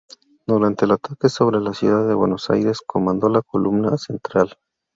Durante el ataque sobre la ciudad de Buenos Aires comandó la columna central.